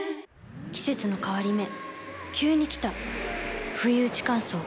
季節の変わり目急に来たふいうち乾燥。